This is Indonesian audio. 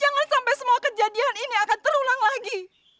jangan sampai semua kejadian ini akan terulang lagi